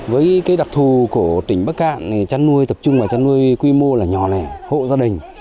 với cái đặc thù của tỉnh bắc cạn thì trăn nuôi tập trung vào trăn nuôi quy mô là nhỏ lẻ hộ gia đình